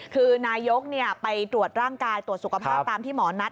คือนายกไปตรวจร่างกายตรวจสุขภาพตามที่หมอนัด